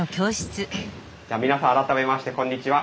じゃあ皆さん改めましてこんにちは。